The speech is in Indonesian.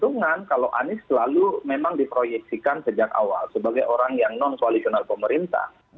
keuntungan kalau anies selalu memang diproyeksikan sejak awal sebagai orang yang non koalisional pemerintah